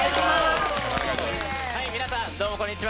皆さん、どうもこんにちは。